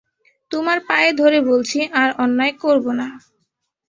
তোমার পায়ে ধরে বলছি আর অন্যায় করব না।